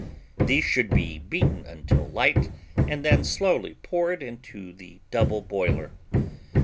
These should be beaten until light and then slowly poured into the double boiler.